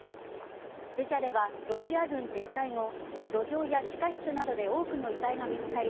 ブチャではロシア軍撤退後路上や地下室などで多くの遺体が見つかり